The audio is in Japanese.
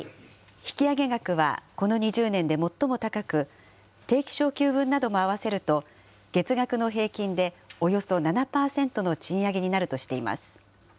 引き上げ額はこの２０年で最も高く、定期昇給分なども合わせると、月額の平均でおよそ７％の賃上げになるとしています。